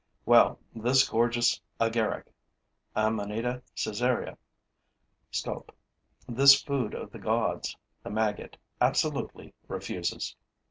Well, this gorgeous agaric (Amanita caesarea, SCOP.), this food of the gods the maggot absolutely refuses.